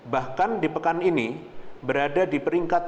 bahkan di pekan ini berada di peringkat